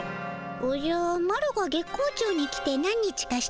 おじゃマロが月光町に来て何日かしてからじゃの。